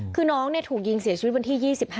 คือน้องถูกยิงเสียชีวิตวันที่๒๕